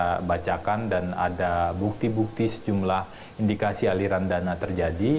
kita bacakan dan ada bukti bukti sejumlah indikasi aliran dana terjadi